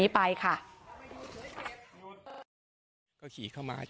พ่อโทษ